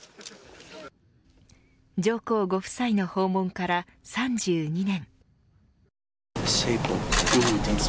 上皇ご夫妻の訪問から３２年。